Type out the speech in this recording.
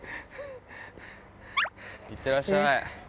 いってらっしゃい。